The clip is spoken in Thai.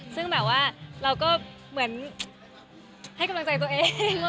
ซึ่งแบบว่าเราก็เหมือนให้กำลังใจตัวเอง